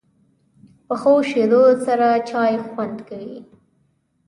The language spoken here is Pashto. پخو شیدو سره چای خوند کوي